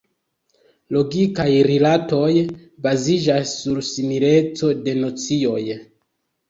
Logikaj rilatoj baziĝas sur simileco de nocioj.